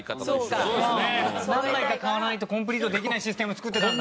何枚か買わないとコンプリートできないシステム作ってたんだ。